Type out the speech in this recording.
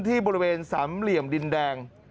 ที่บริเวณสามเหลี่ยมดินแดง